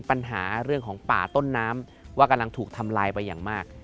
ปัญหาเรื่องของป่าต้นน้ำว่ากำลังถูกทำลายไปอย่างมาก